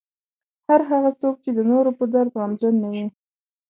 هر هغه څوک چې د نورو په درد غمجن نه وي.